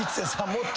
もっと。